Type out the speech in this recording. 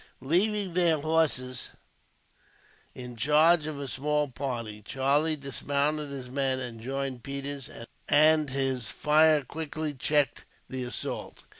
Leaving their horses in charge of a small party, Charlie dismounted his men and joined Peters, and his fire quickly checked the assault.